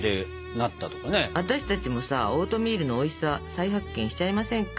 私たちもさオートミールのおいしさ再発見しちゃいませんか？